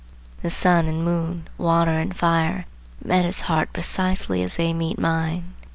The sun and moon, water and fire, met his heart precisely as they meet mine.